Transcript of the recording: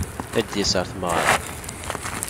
Ad d-yas ɣer tmeɣra.